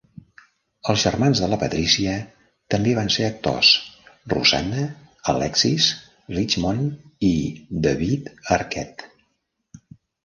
Els germans de la Patricia també van ser actors: Rosanna, Alexis, Richmond i David Arquette.